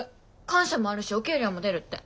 官舎もあるしお給料も出るって。